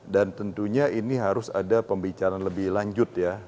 dan tentunya ini harus ada pembicaraan lebih lanjut ya